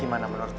gimana menurut lo